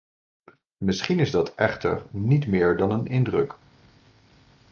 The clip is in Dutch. Misschien is dat echter niet meer dan een indruk.